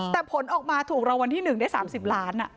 อ๋อแต่ผลออกมาถูกรางวัลที่หนึ่งได้สามสิบล้านอ่ะ